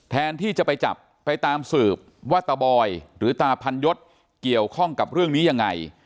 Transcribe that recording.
แทนที่จะไปจับไปตามสืบว่าตาบอยหรือตาพันยศเกี่ยวข้องกับเรื่องนี้ยังไง